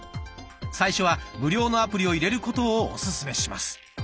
最初は無料のアプリを入れることをオススメします。